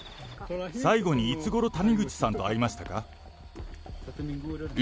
最後にいつごろ谷口さんと会いましたか。